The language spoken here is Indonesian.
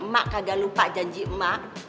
mak kagak lupa janji emak